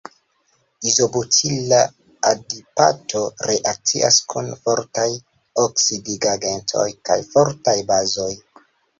Izobutila adipato reakcias kun fortaj oksidigagentoj kaj fortaj bazoj.